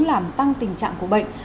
làm tăng tình trạng của bệnh